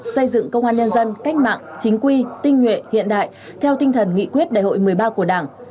xây dựng công an nhân dân cách mạng chính quy tinh nhuệ hiện đại theo tinh thần nghị quyết đại hội một mươi ba của đảng